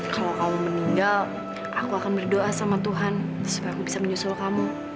kalau kamu meninggal aku akan berdoa sama tuhan supaya aku bisa menyusul kamu